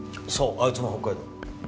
あいつも北海道。